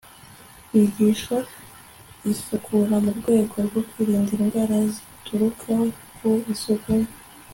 bigisha isukura mu rwego rwo kwirinda indwara zituruka ku isuku nke